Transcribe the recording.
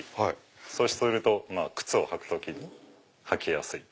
そうすると靴を履く時に履きやすい。